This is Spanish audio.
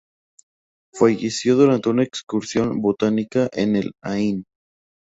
Falleció durante una excursión botánica en el Ain.